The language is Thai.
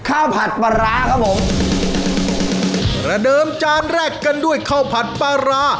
ผัดปลาร้าครับผมประเดิมจานแรกกันด้วยข้าวผัดปลาร้า